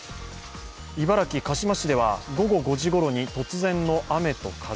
茨城・鹿嶋市では午後５時ごろに突然の雨と風。